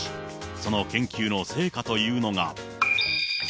その研究の成果というのが。